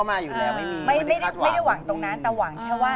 ไม่ได้หวังตรงนั้นแต่หวังแค่ว่า